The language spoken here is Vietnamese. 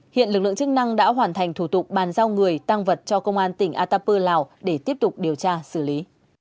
hiện lực lượng chức năng đã hoàn thành thủ tục bàn giao người tăng vật cho công an tỉnh atapu lào để tiếp tục điều tra xử lý